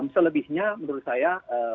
selebihnya menurut saya